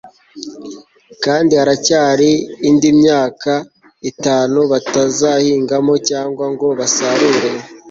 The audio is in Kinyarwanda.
kandi haracyari indi myaka itanu batazahingamo cyangwa ngo basarure